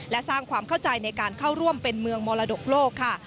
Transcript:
และสร้างความเข้าใจในการเข้าร่วมเป็นเมืองมรดกโลกค่ะ